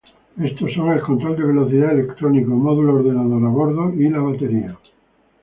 Estos son el control de velocidad electrónico, módulo, ordenador a bordo y la batería.